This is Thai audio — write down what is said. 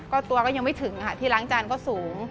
ก็ตัวก็ยังไม่ถึงค่ะที่ล้างจานก็สูง